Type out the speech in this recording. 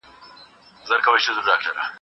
زه پرون لوبه کوم.